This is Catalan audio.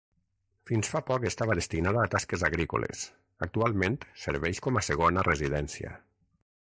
Fins fa poc estava destinada a tasques agrícoles, actualment serveix com a segona residència.